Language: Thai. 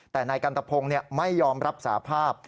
แต่นายกันตะพงศ์ไม่ยอมรับสาภาพ